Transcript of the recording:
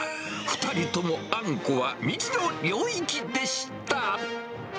２人ともあんこは未知の領域でした。